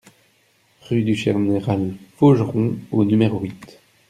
Rue du Général Faugeron au numéro huit